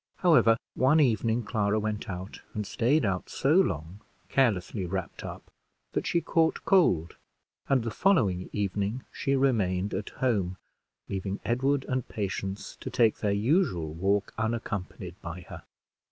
However, one evening Clara went out, and staid out so long, carelessly wrapped up, that she caught cold; and the following evening she remained at home, leaving Edward and Patience to take their usual walk unaccompanied by her.